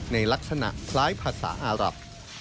ในลักษณะคล้ายภาษาอารับ